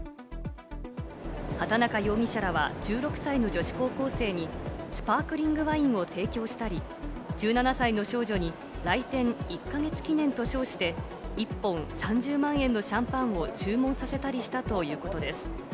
畑中容疑者らは１６歳の女子高校生にスパークリングワインを提供したり、１７歳の少女に来店１か月記念と称して、１本３０万円のシャンパンを注文させたりしたということです。